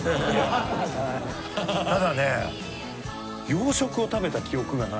ただね